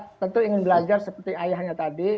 saya tentu ingin belajar seperti ayahnya tadi